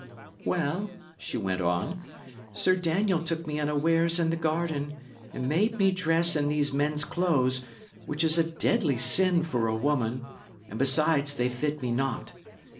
"Well," she went on, "Sir Daniel took me unawares in the garden, and made me dress in these men's clothes, which is a deadly sin for a woman; and, besides, they fit me not.